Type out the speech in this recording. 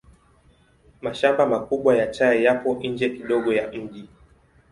Mashamba makubwa ya chai yapo nje kidogo ya mji.